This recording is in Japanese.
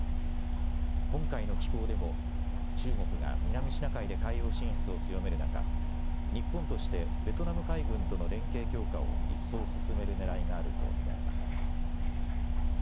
今回の寄港でも中国が南シナ海で海洋進出を強める中、日本としてベトナム海軍との連携強化を一層進めるねらいがあると見られます。